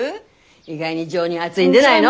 意外に情にあづいんでないの？